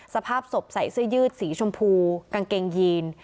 สภาพศพใส่เสื้อยืดสีชมพูกางเกงยีน